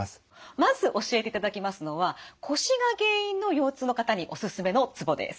まず教えていただきますのは腰が原因の腰痛の方にオススメのツボです。